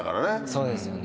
そうですよね。